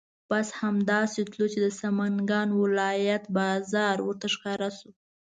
بس همدا سې تلو چې د سمنګانو ولایت بازار ورته ښکاره شو.